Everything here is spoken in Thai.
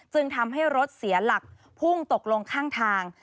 จึงทำให้รถเสียหลักพุ่งตกลงข้างทาง